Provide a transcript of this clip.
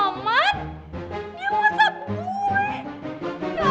ya ampun ya ampun oh my god